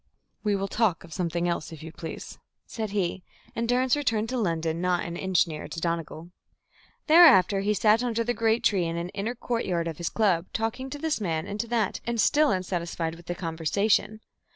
"We will talk of something else, if you please," said he; and Durrance returned to London not an inch nearer to Donegal. Thereafter he sat under the great tree in the inner courtyard of his club, talking to this man and to that, and still unsatisfied with the conversation.